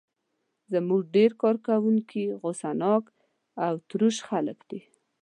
زموږ ډېر کارکوونکي غوسه ناک او تروش خلک دي.